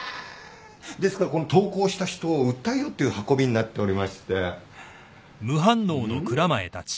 ですからこの投稿した人を訴えようという運びになっておりまして。